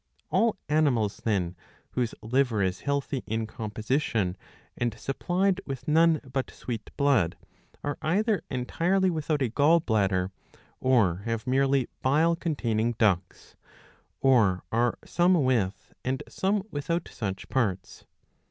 ^^ All animals, then, whose liver is healthy in composition and supplied with none but sweet blood, are either entirely without a gall bladder, or have merely ^* bile containing ducts ; or are some with and some without such parts.